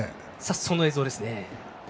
その映像です。